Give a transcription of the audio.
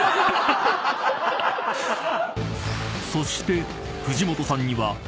［そして藤本さんには本日］